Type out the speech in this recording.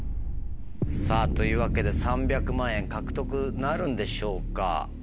さぁというわけで３００万円獲得なるんでしょうか。